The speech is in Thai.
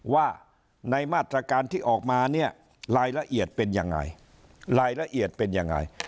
ว่าในมาตรการที่ออกมาเนี่ยรายละเอียดเป็นยังไง